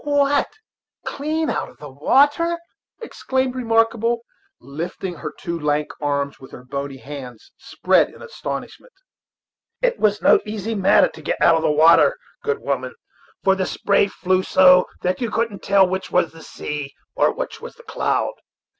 "What! clean out of the water?" exclaimed Remarkable, lifting her two lank arms, with their bony hands spread in astonishment. "It was no such easy matte: to get out of the water, good woman; for the spray flew so that you couldn't tell which was sea or which was cloud.